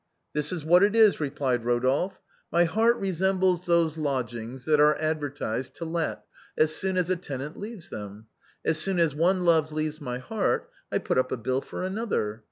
" This is what it is/' replied Eodolphe, " my heart resem bles those lodgings that are advertised to let as soon as a tenant leaves them. As soon as one love leaves my heart, I put up a bill for another.